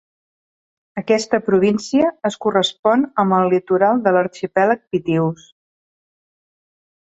Aquesta província es correspon amb el litoral de l'arxipèlag pitiús.